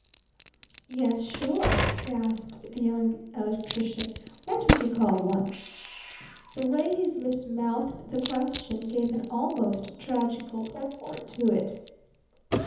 "Yes, sure," gasped the Young Electrician, "what would you call one?" The way his lips mouthed the question gave an almost tragical purport to it.